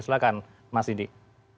silakan mas didik